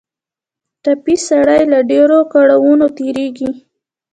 ټپي سړی له ډېرو کړاوونو تېرېږي.